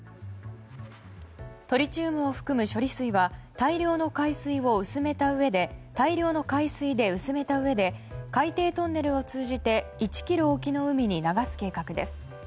トリチウムを含む処理水は大量の海水で薄めたうえで海底トンネルを通じて１ｋｍ沖の海に流す計画です。